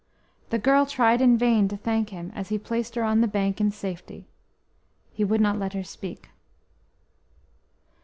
The girl tried in vain to thank him as he placed her on the bank in safety; he would not let her speak.